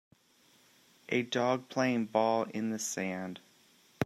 A dog playing ball in the sand.